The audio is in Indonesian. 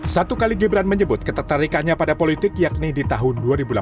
satu kali gibran menyebut ketertarikannya pada politik yakni di tahun dua ribu delapan belas